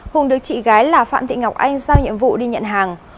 hùng được chị gái là phạm thị ngọc anh giao nhiệm vụ đi nhận hàng